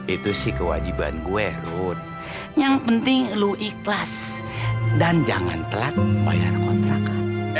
itu sih kewajiban gue run yang penting lo ikhlas dan jangan telat bayar kontrak lo